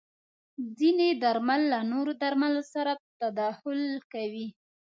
ځینې درمل له نورو درملو سره تداخل کوي.